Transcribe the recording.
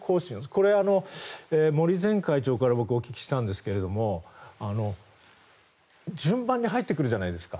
これは森前会長から僕お聞きしたんですけど順番に入ってくるじゃないですか。